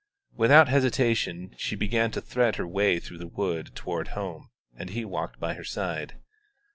Without hesitation she began to thread her way through the wood toward home, and he walked by her side.